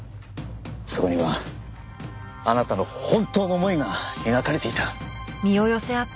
そこにはあなたの本当の思いが描かれていた。